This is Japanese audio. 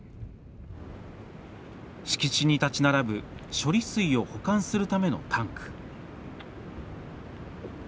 敷地に立ち並ぶ処理水を保管するためのタンク。